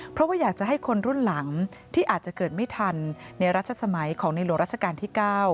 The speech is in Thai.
เพราะว่าอยากจะให้คนรุ่นหลังที่อาจจะเกิดไม่ทันในรัชสมัยของในหลวงราชการที่๙